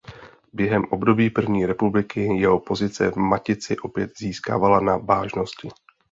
Během období první republiky jeho pozice v Matici opět získávala na vážnosti.